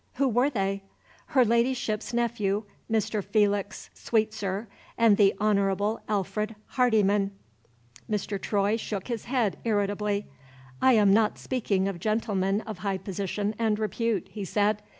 "Who were they?" "Her Ladyship's nephew, Mr. Felix Sweetsir, and the Honorable Alfred Hardyman." Mr. Troy shook his head irritably. "I am not speaking of gentlemen of high position and repute," he said.